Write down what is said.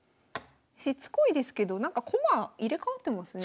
しつこいですけどなんか駒入れ代わってますね。